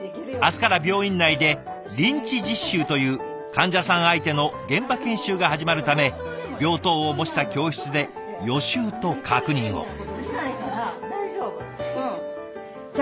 明日から病院内で臨地実習という患者さん相手の現場研修が始まるため病棟を模した教室で予習と確認を。